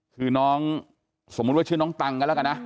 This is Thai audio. คือน้องสมมุติว่าชื่อน้องตัง